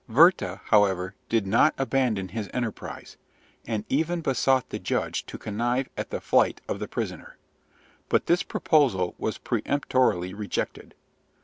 Werther, however, did not abandon his enterprise, and even besought the judge to connive at the flight of the prisoner. But this proposal was peremptorily rejected.